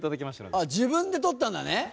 自分でとったんだね。